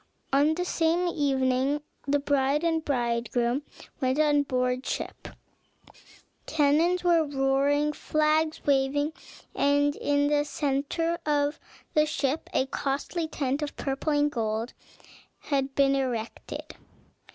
On the same evening the bride and bridegroom went on board ship; cannons were roaring, flags waving, and in the centre of the ship a costly tent of purple and gold had been erected.